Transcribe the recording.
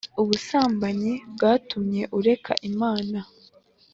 ubusambanyi bwatumye ureka Imana